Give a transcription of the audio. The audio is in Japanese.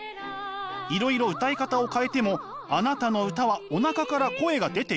「いろいろ歌い方を変えてもあなたの歌はおなかから声が出ていない。